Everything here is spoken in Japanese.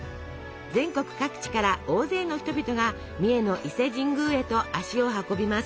全国各地から大勢の人々が三重の伊勢神宮へと足を運びます。